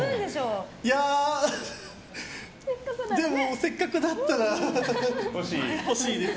いやあでもせっかくだったら欲しいです。